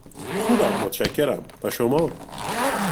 خوبم، متشکرم، و شما؟